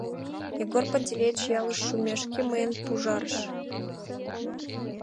Егор Пантелеич ялыш шумешке мыйым пужарыш.